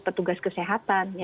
petugas kesehatan ya